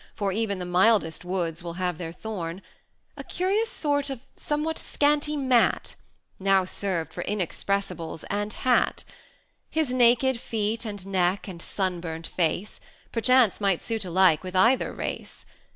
480 For even the mildest woods will have their thorn) A curious sort of somewhat scanty mat Now served for inexpressibles and hat; His naked feet and neck, and sunburnt face, Perchance might suit alike with either race.